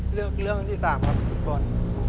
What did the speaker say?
เรื่องที่๓ครับทุกคน